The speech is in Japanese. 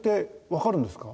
わかるんですか？